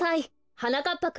はなかっぱくん